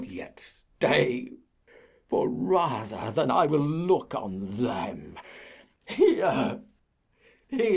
Yet stay; for, rather than I'll look on them, Here, here!